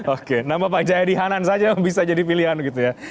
oke nama pak jayadi hanan saja yang bisa jadi pilihan gitu ya